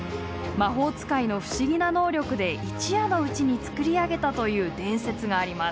魔法使いの不思議な能力で一夜のうちに造り上げたという伝説があります。